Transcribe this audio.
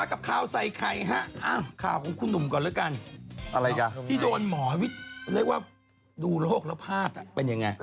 มากับข้าวใส่ใครคะข้ามคือหนุ่มก่อนแล้วกันอะไรกลับที่โดนหมอวิวูธิ์ได้ว่ากินโรคนพลาดเป็นอย่าง